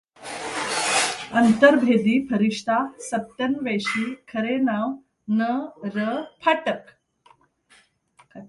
अंतर्भेदी, फरिश्ता, सत्यान्वेषी खरे नाव न.र. फाटक